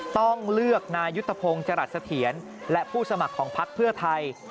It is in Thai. ต้องเลือกนายุทธพงศ์จรัสเสถียรและผู้สมัครของพักเพื่อไทย